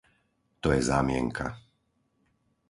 To je zámienka.